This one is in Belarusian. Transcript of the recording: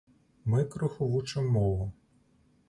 Мы крыху вучым мову.